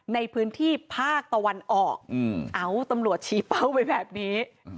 ในพื้นที่ภาคตะวันออกเอ้าตำรวจชี้เป้าไว้แบบนี้